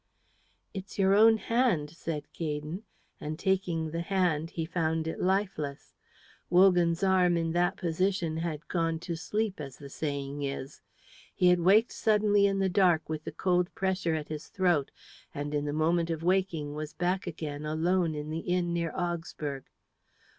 "It's your own hand," said Gaydon, and taking the hand he found it lifeless. Wogan's arm in that position had gone to sleep, as the saying is. He had waked suddenly in the dark with the cold pressure at his throat, and in the moment of waking was back again alone in the inn near Augsburg.